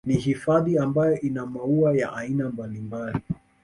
Ni hifadhi ambayo ina maua ya aina mbalimbali